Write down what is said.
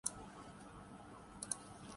Hobart test میں West Indies مشکلات کا شکار